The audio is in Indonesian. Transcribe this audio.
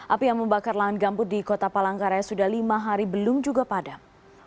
api yang membakar lahan gambut di kota palangkaraya sudah lima hari belum juga padam